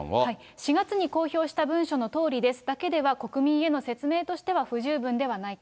４月に公表した文書のとおりですだけでは、国民に対する説明としては、不十分ではないか。